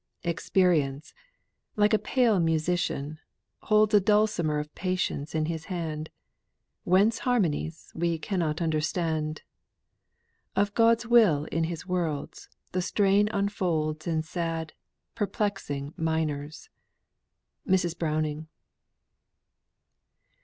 "Experience, like a pale musician, holds A dulcimer of patience in his hand; Whence harmonies we cannot understand, Of God's will in His worlds, the strain unfolds In sad, perplexed minors." MRS. BROWNING.